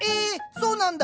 そうなんだ。